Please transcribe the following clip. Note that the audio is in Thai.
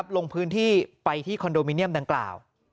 ลงพื้นที่ไปที่คอนโดมิเนียมดังกล่าว